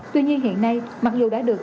tuy nhiên hiện nay mặc dù đã được